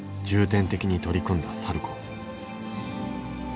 重点的に取り組んだサルコー。